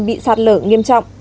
bị sạt lở nghiêm trọng